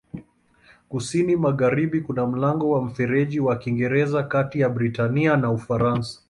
Kusini-magharibi kuna mlango wa Mfereji wa Kiingereza kati ya Britania na Ufaransa.